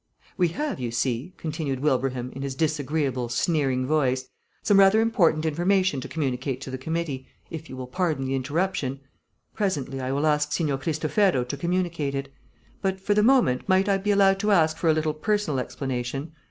"We have, you see," continued Wilbraham, in his disagreeable, sneering voice, "some rather important information to communicate to the committee, if you will pardon the interruption. Presently I will ask Signor Cristofero to communicate it. But for the moment might I be allowed to ask for a little personal explanation?